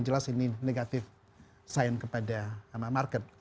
jelas ini negatif sign kepada sama market